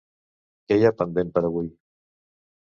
Què hi ha pendent per a avui?